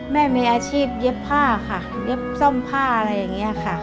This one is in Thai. แม่มีอาชีพเย็บผ้าค่ะเย็บซ่อมผ้าอะไรอย่างนี้ค่ะ